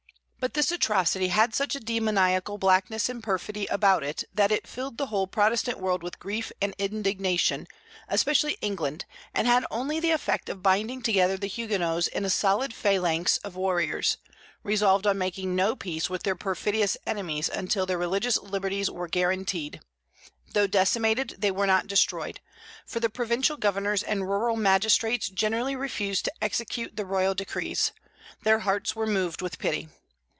But this atrocity had such a demoniacal blackness and perfidy about it that it filled the whole Protestant world with grief and indignation, especially England, and had only the effect of binding together the Huguenots in a solid phalanx of warriors, resolved on making no peace with their perfidious enemies until their religious liberties were guaranteed Though decimated, they were not destroyed; for the provincial governors and rural magistrates generally refused to execute the royal decrees, their hearts were moved with pity.